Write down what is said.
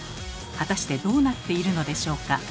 果たしてどうなっているのでしょうか。